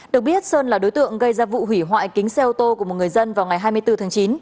được biết sơn là đối tượng gây ra vụ hủy hoại kính xe ô tô của một người dân vào ngày hai mươi bốn tháng chín